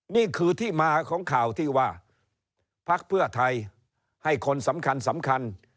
นี่คือที่มาของข่าวที่ว่าพักเพื่อไทยให้คนสำคัญสำคัญ